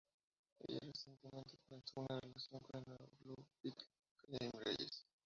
Ella recientemente comenzó una relación con el nuevo Blue Beetle Jaime Reyes.